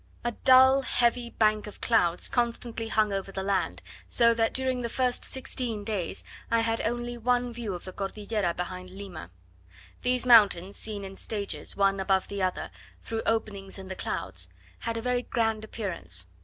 A dull heavy bank of clouds constantly hung over the land, so that during the first sixteen days I had only one view of the Cordillera behind Lima. These mountains, seen in stages, one above the other, through openings in the clouds, had a very grand appearance.